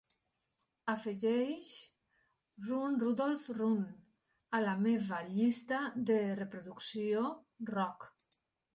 Afegeix "Run Rudolph, Run" a la meva llista de reproducció rock.